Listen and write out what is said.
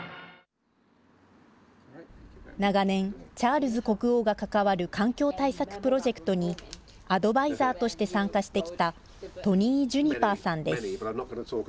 長年、チャールズ国王が関わる環境対策プロジェクトに、アドバイザーとして参加してきたトニー・ジュニパーさんです。